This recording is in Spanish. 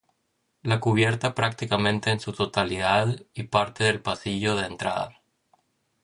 La cubierta prácticamente en su totalidad, y parte del pasillo de entrada.